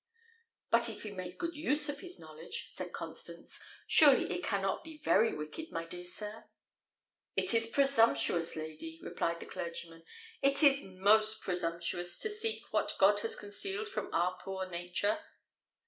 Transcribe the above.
"But if he make a good use of his knowledge," said Constance, "surely it cannot be very wicked, my dear sir." "It is presumptuous, lady," replied the clergyman; "it is most presumptuous to seek what God has concealed from our poor nature."